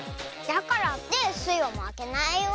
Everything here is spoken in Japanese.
だからってスイはまけないよ。